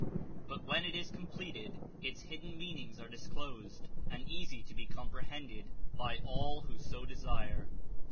But when it is completed its hidden meanings are disclosed and easy to be comprehended by all who so desire.